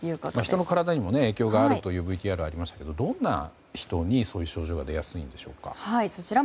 人の体にも影響があるというＶＴＲがありましたがどんな人に、そういう症状が出やすいんでしょうか？